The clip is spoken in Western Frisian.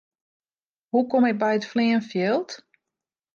Hoe kom ik by it fleanfjild?